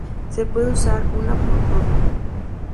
Se puede usar una por turno.